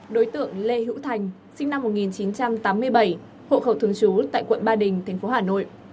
đối tượng lê hữu thành sinh năm một nghìn chín trăm tám mươi bảy hộ khẩu thường trú tại quận ba đình tp hà nội